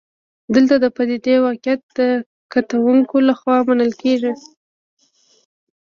دلته د پدیدې واقعیت د کتونکو لخوا منل کېږي.